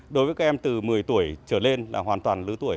đối với các em từ một mươi tuổi trở lên là hoàn toàn lứa tuổi